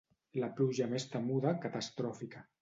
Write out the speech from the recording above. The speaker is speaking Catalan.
La pluja més temuda, catastròfica.